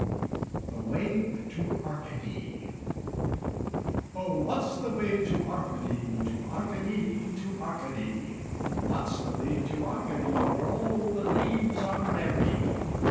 THE WAY TO ARCADY Oh, what's the way to Arcady, To Arcady, to Arcady; Oh, what's the way to Arcady, Where all the leaves are merry?